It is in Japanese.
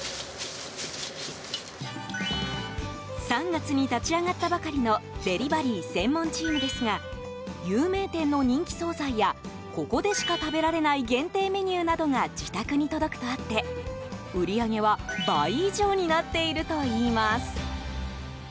３月に立ち上がったばかりのデリバリー専門チームですが有名店の人気総菜やここでしか食べられない限定メニューなどが自宅に届くとあって売り上げは倍以上になっているといいます。